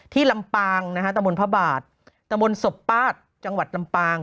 ที่ลำปางนะฮะตำบลพระบาทตำบลสบปาทจังหวัดลำปาง